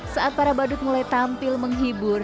saat para badut mulai tampil menghibur